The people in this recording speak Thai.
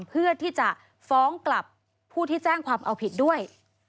เพื่อที่จะฟ้องกลับผู้ที่แจ้งความเอาผิดด้วย